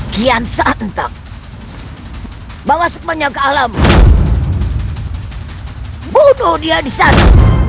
kian santap bawa sepanjang ke alam bunuh dia di sana